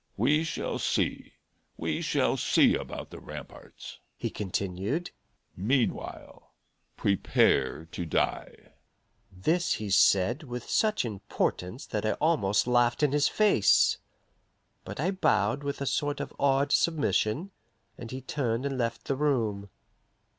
We shall see, we shall see about the ramparts," he continued. "Meanwhile prepare to die." This he said with such importance that I almost laughed in his face. But I bowed with a sort of awed submission, and he turned and left the room.